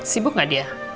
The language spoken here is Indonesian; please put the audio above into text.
sibuk gak dia